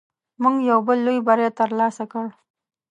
موږ یو بل لوی بری تر لاسه کړ.